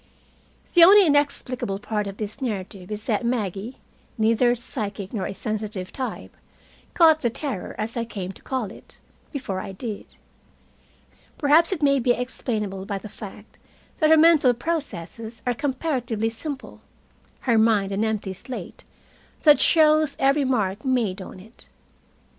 The only inexplicable part of this narrative is that Maggie, neither a psychic nor a sensitive type, caught the terror, as I came to call it, before I did. Perhaps it may be explainable by the fact that her mental processes are comparatively simple, her mind an empty slate that shows every mark made on it.